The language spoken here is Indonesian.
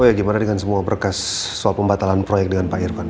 oh ya gimana dengan semua berkas soal pembatalan proyek dengan pak irvan